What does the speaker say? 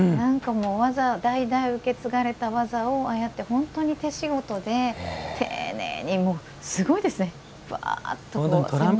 代々受け継がれた技をああやって本当に手仕事で、丁寧にすごいですね。